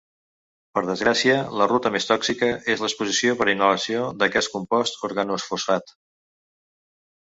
Per desgràcia, la ruta més tòxica és l’exposició per inhalació d’aquest compost organofosfat.